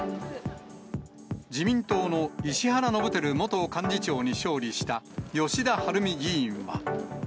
自民党の石原伸晃元幹事長に勝利した吉田晴美議員は。